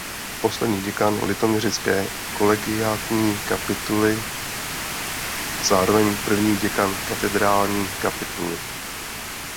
Poslední děkan litoměřické kolegiátní kapituly a zároveň první děkan katedrální kapituly.